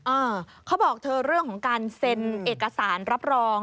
เออเขาบอกเธอเรื่องของการเซ็นเอกสารรับรอง